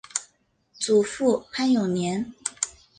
祖父潘永年。